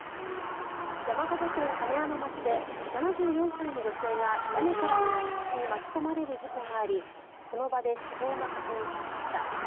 山形県金山町で７４歳の女性が屋根からの落雪に巻き込まれる事故がありその場で死亡が確認されました。